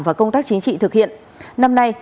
và công tác chính trị thực hiện năm nay